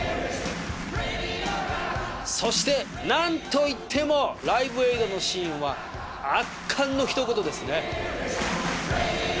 そして何といってもライヴ・エイドのシーンは圧巻の一言ですね。